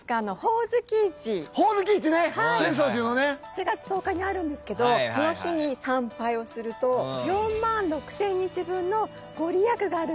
７月１０日にあるんですけどその日に参拝をすると４万６，０００日分の御利益があるっていわれているんです。